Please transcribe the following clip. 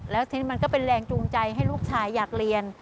แล้วทีนี้มันก็เป็นแรงจูงใจให้ลูกชายอยากเรียน